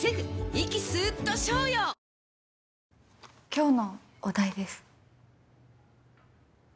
今日のお代です。